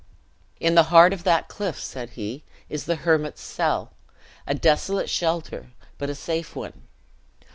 "In the heart of that cliff," said he, "is the hermit's cell; a desolate shelter, but a safe one.